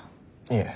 いえ。